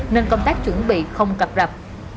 nên công tác chuẩn bị không cập rập